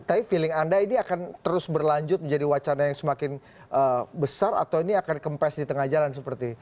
tapi feeling anda ini akan terus berlanjut menjadi wacana yang semakin besar atau ini akan kempes di tengah jalan seperti